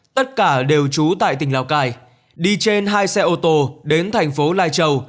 tất cả đều trú tại tỉnh lào cai đi trên hai xe ô tô đến thành phố lai châu